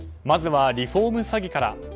まずはリフォーム詐欺から。